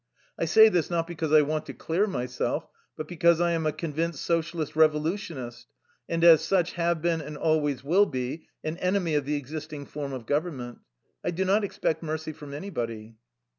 I say this, not because I want to clear myself, but because I am a convinced Socialist Revolutionist, and as such have been and always will be an enemy of the existing form of govern ment. I do not expect mercy from anybody."